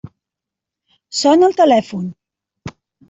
Sona el telèfon.